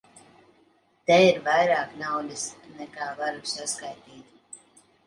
Te ir vairāk naudas, nekā varu saskaitīt.